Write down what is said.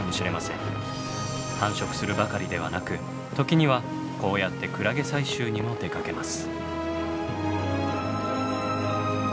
繁殖するばかりではなく時にはこうやってクラゲ採集にも出かけます。